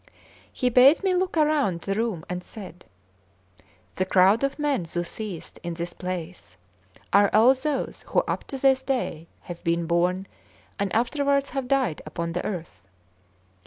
He bade me look around the room, and said: "The crowd of men thou seest in this place are all those who up to this day have been born and afterwards have died upon the earth."